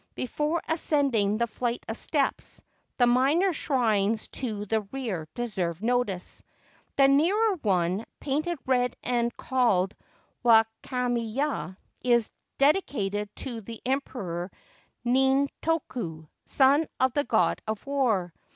Before ascending the flight of steps, the minor shrines to the rear deserve notice. The nearer one, painted red and called Wakamiya, is dedicated to the Emperor Nintoku, son of the God of War.